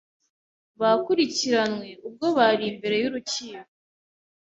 bakurikiranywe ubwo bari imbere y'urukiko